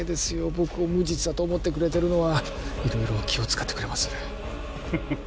僕を無実だと思ってくれてるのは色々気を使ってくれますフフフッ